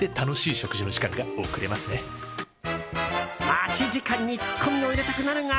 待ち時間にツッコミを入れたくなるが。